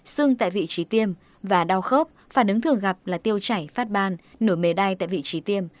xương tại vị trí tiêm và đau khớp phản ứng thường gặp là tiêu chảy phát ban nổi mề đai tại vị trí tiêm